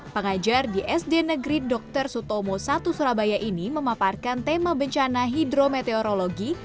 pengajar di sd negeri dr sutomo i surabaya ini memaparkan tema bencana hidrometeorologi